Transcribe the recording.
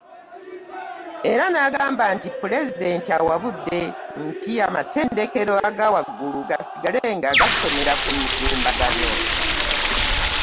Era n'agamba nti, “Pulezidenti awabudde nti amatendekero aga waggulu gasigale nga gasomera ku mutimbagano"